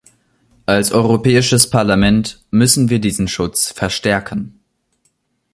Als Europäisches Parlament müssen wir diesen Schutz verstärken.